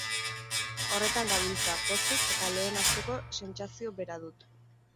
Horretan gabiltza, pozik, eta lehen asteko sentsazio bera dut.